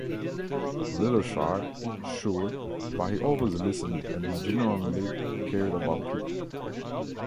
A little shy, sure, but he always listened and he genuinely cared about people